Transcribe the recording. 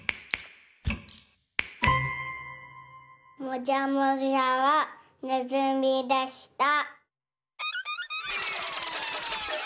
もじゃもじゃはねずみでした。